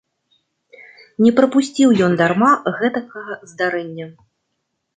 Не прапусціў ён дарма гэтакага здарэння.